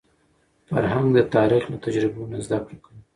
فرهنګ د تاریخ له تجربو نه زده کړه کوي.